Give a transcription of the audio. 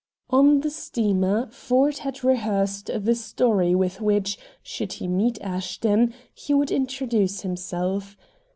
On the steamer Ford had rehearsed the story with which, should he meet Ashton, he would introduce himself.